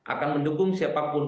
akan mendukung siapapun